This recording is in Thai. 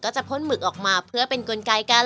จะพ่นหมึกออกมาเพื่อเป็นกลไกกัน